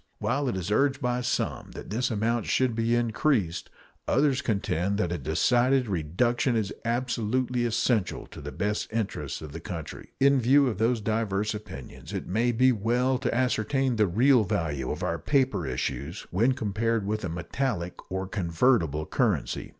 While it is urged by some that this amount should be increased, others contend that a decided reduction is absolutely essential to the best interests of the country. In view of these diverse opinions, it may be well to ascertain the real value of our paper issues when compared with a metallic or convertible currency.